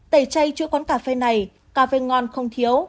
tẩy chay chữa quán cà phê này cà phê ngon không thiếu